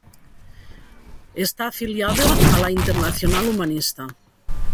Está afiliado a la Internacional Humanista.